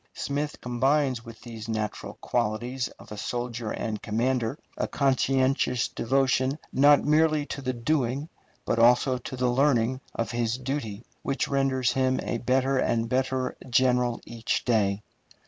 Smith combines with these natural qualities of a soldier and commander a conscientious devotion not merely to the doing but also to the learning of his duty, which renders him a better and better general every day.